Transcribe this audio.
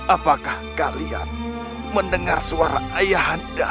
apakah kalian mendengar suara ayah anda